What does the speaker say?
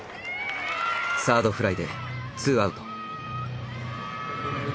サードフライでツーアウト。